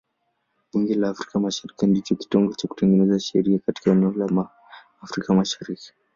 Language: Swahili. Bunge la Afrika Mashariki ndicho kitengo cha kutengeneza sheria katika eneo la Afrika Mashariki.